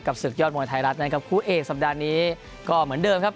ศึกยอดมวยไทยรัฐนะครับคู่เอกสัปดาห์นี้ก็เหมือนเดิมครับ